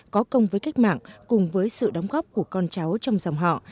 có công với cách mạng cùng với sự đóng góp của con cháu trong dòng họ